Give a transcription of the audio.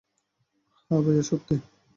হ্যাঁ ভাইয়া, সত্যি।